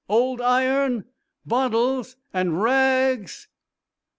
old iron ... bottles and ra ags."